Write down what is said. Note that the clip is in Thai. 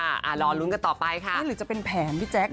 รอลุ้นกันต่อไปค่ะหรือจะเป็นแผนพี่แจ๊ค